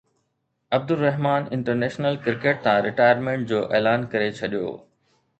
Abdulrahman international cricket تان retirement جو اعلان ڪري ڇڏيو